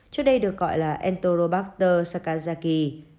trước đây được gọi là enterobacter sakazaki